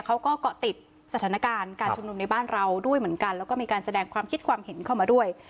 เขาก็เกาะติดสถานการณ์การชุมนุมในบ้านเราด้วยเหมือนกันแล้วก็มีการแสดงความคิดความเห็นเข้ามาด้วย